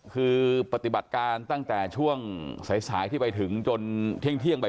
คือปฏิบัติการตั้งแต่ช่วงสายที่ไปถึงจนเที่ยงไป